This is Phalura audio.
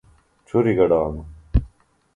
ڇُھریۡ گڈانوۡ۔